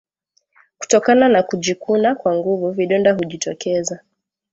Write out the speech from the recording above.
Kutokana na kujikuna kwa nguvu vidonda hujitokeza